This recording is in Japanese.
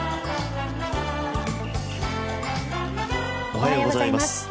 おはようございます。